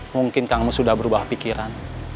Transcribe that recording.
mungkin kang mus sudah berubah pikiran